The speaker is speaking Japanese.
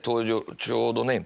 ちょうどね